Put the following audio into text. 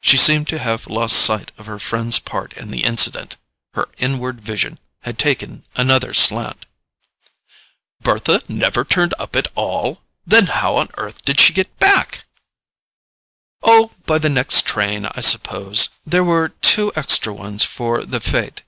She seemed to have lost sight of her friend's part in the incident: her inward vision had taken another slant. "Bertha never turned up at all? Then how on earth did she get back?" "Oh, by the next train, I suppose; there were two extra ones for the FETE.